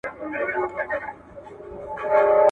تاریخي کرنه د اوبو پورې تړلې وه.